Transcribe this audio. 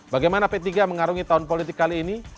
bagaimana p tiga mengarungi tahun politik kali ini